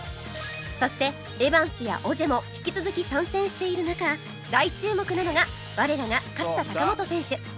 そしてエバンスやオジェも引き続き参戦している中大注目なのが我らが勝田貴元選手